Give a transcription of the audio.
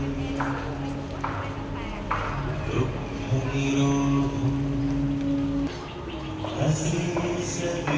สวัสดีครับสวัสดีครับ